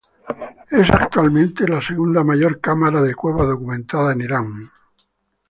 Es actualmente la segundo mayor cámara de cueva documentada en Irán.